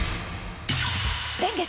先月。